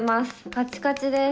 カチカチです。